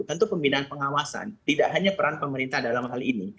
tentu pembinaan pengawasan tidak hanya peran pemerintah dalam hal ini